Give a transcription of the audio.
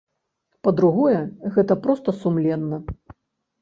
Па-другое, гэта проста сумленна.